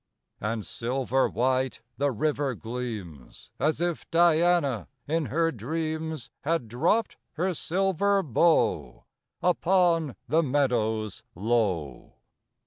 5 And silver white the river gleams, As if Diana, in her dreams, • Had dropt her silver bow Upon the meadows low.